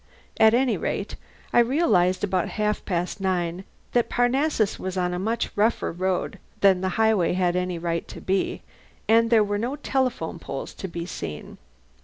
At any rate, I realized about half past nine that Parnassus was on a much rougher road than the highway had any right to be, and there were no telephone poles to be seen.